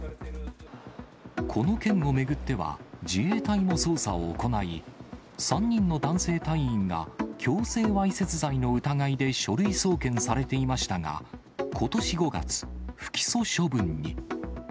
この件を巡っては、自衛隊も捜査を行い、３人の男性隊員が、強制わいせつ罪の疑いで書類送検されていましたが、ことし５月、不起訴処分に。